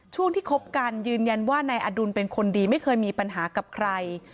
ช่วงที่คบกันยืนยันว่านายอดุลเป็นคนดีไม่เคยมีปัญหากับใคร